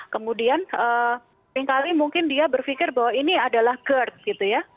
kemudian seringkali mungkin dia berpikir bahwa ini adalah gerd gitu ya